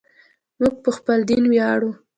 موږ په خپل دین ویاړو.